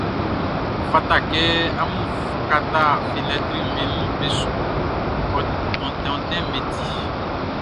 Ɔ fata kɛ amun kata fenɛtriʼm be su, onti ontinʼm be ti.